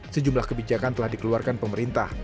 sejumlah kebijakan telah dikeluarkan pemerintah